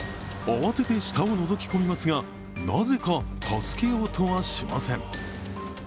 慌てて下をのぞき込みますがなぜか助けようとはしません。